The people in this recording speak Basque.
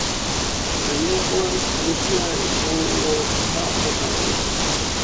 Gainerakoan, eguzkia izango da protagonista.